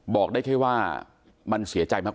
บอกได้แค่ว่ามันเสียใจมาก